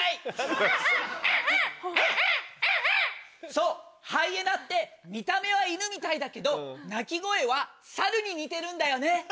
そうハイエナって見た目は犬みたいだけど鳴き声は猿に似てるんだよね。